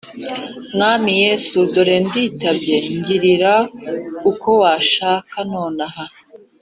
Mwami Yesu, dore, nditabye! Ngirir' uko washaka nonaha.